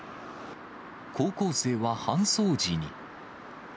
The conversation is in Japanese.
高校生は搬送時に。